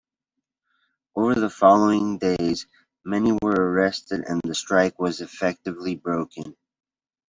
Over the following days, many were arrested and the strike was effectively broken.